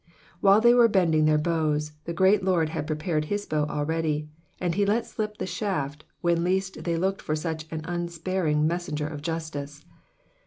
While they were bending their bows, the great Lord had prepared his bow already, and be let slip the shaft when least they looked for such an unsparing messenger of justice.